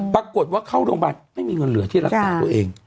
ปรากฏว่าเข้าโรงพยาบาลไม่มีเงินเหลือที่รักษาตัวเอง